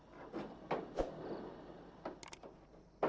terlaluan penculik penculik itu